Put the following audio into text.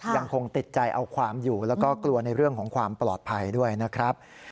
ยังคงติดใจเอาความอยู่แล้วก็กลัวในเรื่องของความปลอดภัยด้วยนะครับ